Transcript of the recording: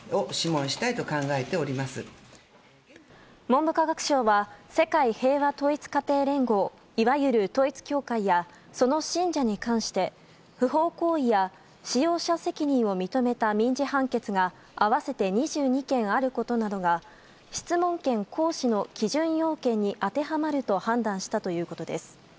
文部科学省は世界平和統一家庭連合いわゆる統一教会やその信者に関して不法行為や使用者責任を認めた民事判決が合わせて２２件あることなどが質問権行使の基準要件に当てはまると判断したということです。